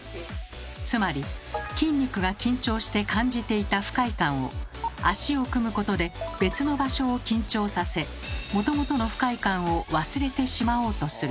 つまり筋肉が緊張して感じていた不快感を足を組むことで別の場所を緊張させもともとの不快感を忘れてしまおうとする。